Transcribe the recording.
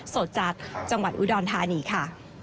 สดจากจังหวัดอุดรธานีค่ะ